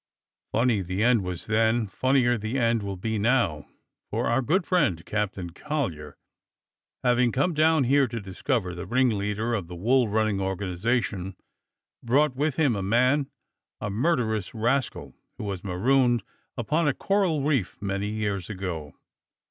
Funny the end was then; fun nier the end will be now; for our good friend Captain Collyer, having come down here to discover the ring leader of the wool running organization, brought with him a man, a murderous rascal, who was marooned upon a coral reef many years ago.